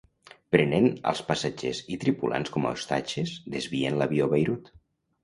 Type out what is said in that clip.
Prenent als passatgers i tripulants com a ostatges, desvien l'avió a Beirut.